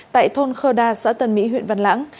tại thôn khơ đa xã tân mỹ huyện văn lãng